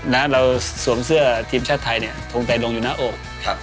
และเราสวมเสื้อทีมชาติไทยทรงแต่ลงอยู่น้าอบ